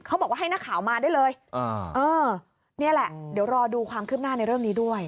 เขาบอกว่าให้นักข่าวมาได้เลยนี่แหละเดี๋ยวรอดูความคืบหน้าในเรื่องนี้ด้วย